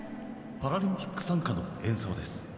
「パラリンピック賛歌」の演奏です。